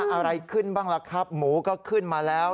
อะไรขึ้นบ้างล่ะครับหมูก็ขึ้นมาแล้ว